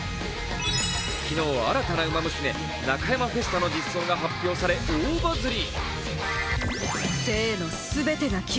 昨日、新たなウマ娘、ナカヤマフェスタの実装が発表され、大バズり。